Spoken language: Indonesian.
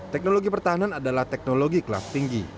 teknologi pertahanan adalah teknologi kelas tinggi